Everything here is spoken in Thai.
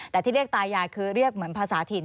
แต่ที่เรียกตายายคือเรียกเหมือนภาษาถิ่น